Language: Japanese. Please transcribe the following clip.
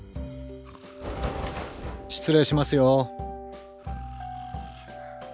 失礼しますよ。